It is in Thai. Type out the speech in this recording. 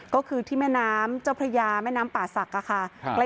ก็คือที่แม่น้ำเจ้าพระยาแม่น้ำป่าศักดิ์ค่ะ